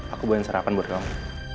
aku buatin sarapan buat kamu